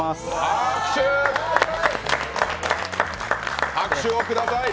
拍手、拍手をください。